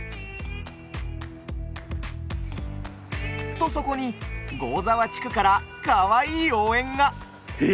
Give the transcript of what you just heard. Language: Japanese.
とそこに合沢地区からかわいい応援が。え？